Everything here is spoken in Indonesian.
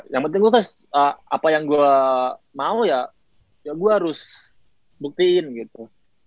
yang penting gue kan apa yang gue mau ya gue harus buktiin gitu